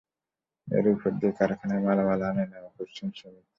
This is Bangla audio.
এর ওপর দিয়ে কারখানায় মালামাল আনা নেওয়া করছেন শ্রমিকেরা।